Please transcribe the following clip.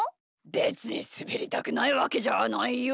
べつにすべりたくないわけじゃないよ。